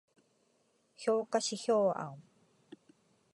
評価指標案